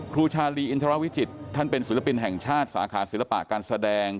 ครูชาลีอินทรวิจิตท่านเป็นศิลปินแห่งชาติสาขาศิลปะการแสดง